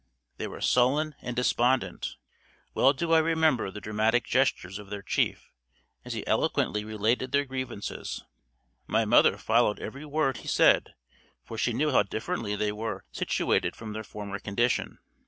They were sullen and despondent. Well do I remember the dramatic gestures of their chief as he eloquently related their grievances. My mother followed every word he said for she knew how differently they were situated from their former condition.